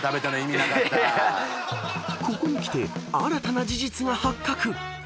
［ここにきて新たな事実が発覚］